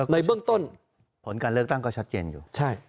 ในเบื้องต้นผลการเลือกตั้งก็ชัดเจนอยู่